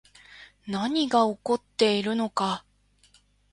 何が起こっているのか